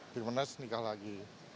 di menes nikah lagi